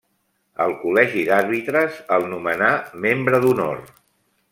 El col·legi d'àrbitres el nomenà membre d'honor.